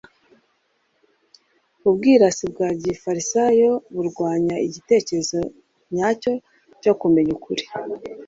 Ubwirasi bwa gifarisayo burwanya igitekerezo nyacyo cyo kumenya ukuri.